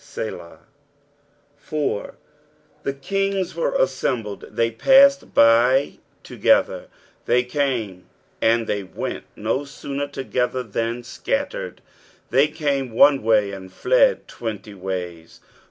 Selah. 4, " The hingt were aeeembhd, they patted hy together." They came and they went. No sooner together than scattered. They came one way and fled twenty ways.